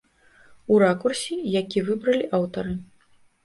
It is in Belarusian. У ракурсе, які выбралі аўтары.